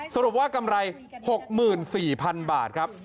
สรุปว่ากำไร๖๔๐๐๐บาทครับ